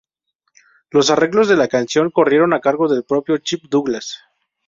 Los arreglos de la canción corrieron a cargo del propio Chip Douglas.